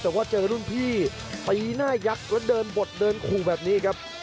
แต่ว่าเจอรุ่นพี่ตีหน้ายักษ์แล้วเดินบดเดินขู่แบบนี้ครับ